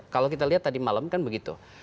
kalau kita lihat tadi malam kan begitu